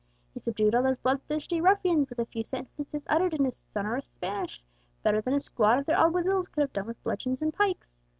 He subdued all those blood thirsty ruffians with a few sentences uttered in his sonorous Spanish, better than a squad of their alguazils could have done with bludgeons and pikes.